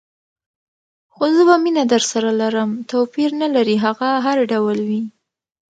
خو زه به مینه درسره لرم، توپیر نه لري هغه هر ډول وي.